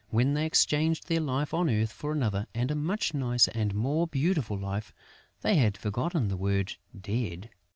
When they exchanged their life on earth for another and a much nicer and more beautiful life, they had forgotten the word "dead."